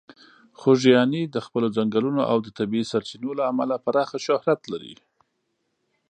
خوږیاڼي د خپلې ځنګلونو او د طبیعي سرچینو له امله پراخه شهرت لري.